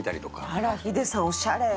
あら、ヒデさんおしゃれ。